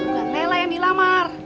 bukan lela yang dilamar